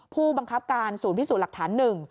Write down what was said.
ผู้บังคับการศูนย์พิสูจน์หลักฐาน๑